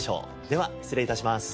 では失礼致します。